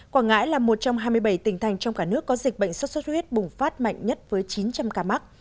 quảng ngãi là một trong hai mươi bảy tỉnh thành trong cả nước có dịch bệnh xuất xuất huyết bùng phát mạnh nhất với chín trăm linh ca mắc